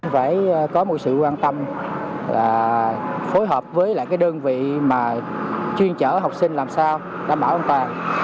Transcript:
phải có một sự quan tâm phối hợp với đơn vị chuyên chở học sinh làm sao đảm bảo an toàn